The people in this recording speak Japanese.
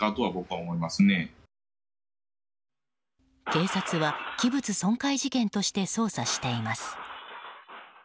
警察は、器物損壊事件として捜査しています。